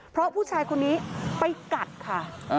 เพราะผู้ชายคนนี้ไปกัดค่ะ